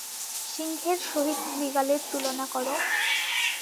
সিংহের সহিত শৃগালের তুলনা কর।